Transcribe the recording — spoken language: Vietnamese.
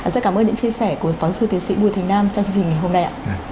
rất cảm ơn những chia sẻ của phóng sư thế sĩ bùi thành nam trong chương trình ngày hôm nay